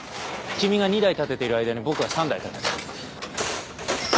君が２台立てている間に僕は３台立てた。